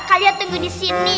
kalian tunggu di sini